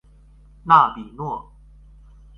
纳比诺。